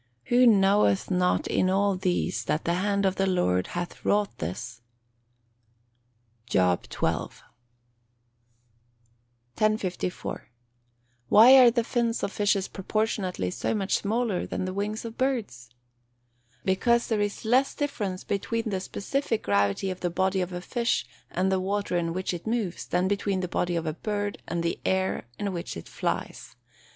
Who knoweth not in all these that the hand of the Lord hath wrought this." JOB XII.] 1054. Why are the fins of fishes proportionately so much smaller than the wings of birds? Because there is less difference between the specific gravity of the body of a fish, and the water in which it moves, than between the body of a bird, and the air on which it flies.